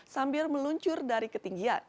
sambil meluncur dari ketinggian